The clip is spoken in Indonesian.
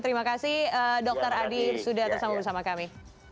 terima kasih dokter adi sudah bersama sama kami